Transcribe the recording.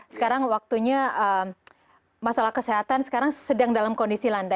sekarang waktunya masalah kesehatan sekarang sedang dalam kondisi landai